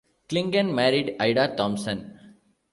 Clingan married Ida Thompson.